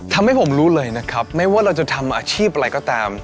ทำให้ผมรู้เลยนะครับไม่ว่าเราจะทำอาชีพอะไรก็ตาม